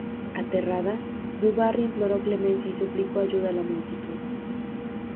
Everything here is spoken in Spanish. Aterrada, du Barry imploró clemencia y suplicó ayuda a la multitud.